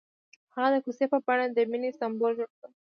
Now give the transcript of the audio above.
هغه د کوڅه په بڼه د مینې سمبول جوړ کړ.